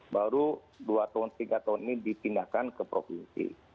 baru dua tahun tiga tahun ini ditindahkan ke provinsi